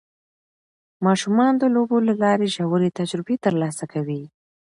ماشومان د لوبو له لارې ژورې تجربې ترلاسه کوي